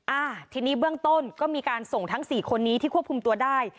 อ่าทีนี้เบื้องต้นก็มีการส่งทั้งสี่คนนี้ที่ควบคุมตัวได้